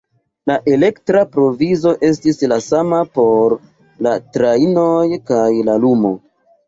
La elektra provizo estis la sama por la trajnoj kaj la lumo.